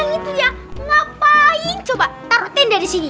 ngapain coba taruh dinda disini